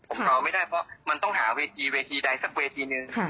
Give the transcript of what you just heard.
ผมรอไม่ได้เพราะมันต้องหาเวทีเวทีใดสักเวทีนึง